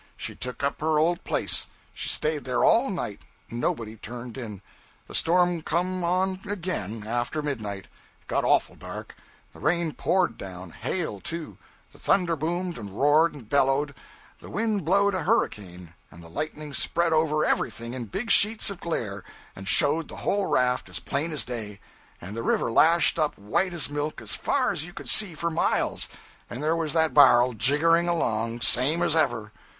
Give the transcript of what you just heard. She took up her old place. She staid there all night; nobody turned in. The storm come on again, after midnight. It got awful dark; the rain poured down; hail, too; the thunder boomed and roared and bellowed; the wind blowed a hurricane; and the lightning spread over everything in big sheets of glare, and showed the whole raft as plain as day; and the river lashed up white as milk as far as you could see for miles, and there was that bar'l jiggering along, same as ever.